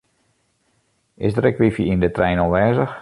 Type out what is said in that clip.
Is der ek wifi yn de trein oanwêzich?